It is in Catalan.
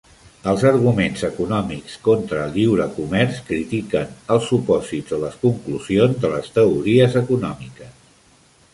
Els arguments econòmics contra el lliure comerç critiquen els supòsits o les conclusions de les teories econòmiques.